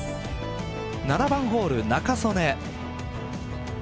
７番ホール仲宗根。